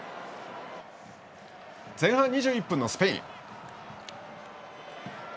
前半２１分のスペイン。